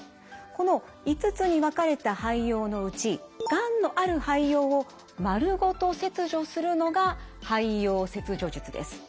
この５つに分かれた肺葉のうちがんのある肺葉をまるごと切除するのが肺葉切除術です。